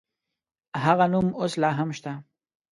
هغه نوم اوس لا هم شته.